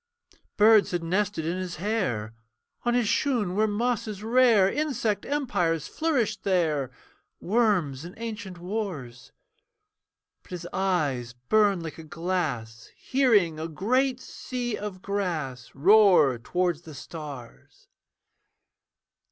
Birds had nested in his hair, On his shoon were mosses rare. Insect empires flourished there, Worms in ancient wars; But his eyes burn like a glass, Hearing a great sea of grass Roar towards the stars.